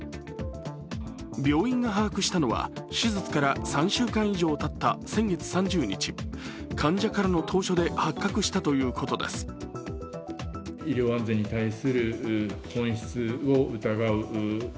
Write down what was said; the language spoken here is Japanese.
病院が把握したのは、手術から３週間以上たった先月３０日、患者からの投書で発覚したということです。